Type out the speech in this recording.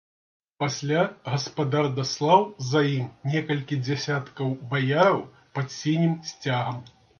Пасля гаспадар даслаў за ім некалькі дзясяткаў баяраў пад сінім сцягам.